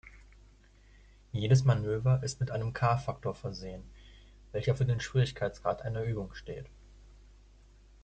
Jedes Manöver ist mit einem „K“-Faktor versehen, welcher für den Schwierigkeitsgrad einer Übung steht.